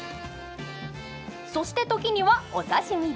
そして時にはお刺身で。